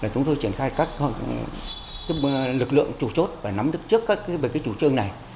chúng tôi triển khai các lực lượng trụ chốt và nắm đứt trước các chủ trương này